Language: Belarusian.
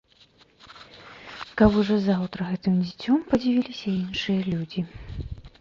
Каб ужо заўтра гэтым дзіцём падзівіліся іншыя людзі.